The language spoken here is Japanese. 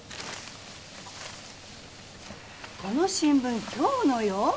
この新聞今日のよ。